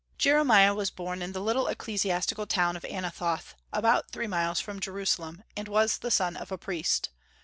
Jeremiah was born in the little ecclesiastical town of Anathoth, about three miles from Jerusalem, and was the son of a priest.